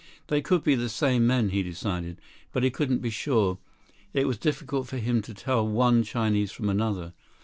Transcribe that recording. They could be the same men, he decided. But he couldn't be sure. It was difficult for him to tell one Chinese from another.